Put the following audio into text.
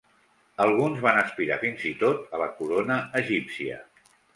Alguns van aspirar fins i tot a la corona egípcia.